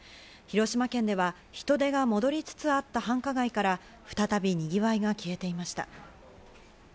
広島県では人出が戻りつつあった繁華街から再びにぎわいが消えていました。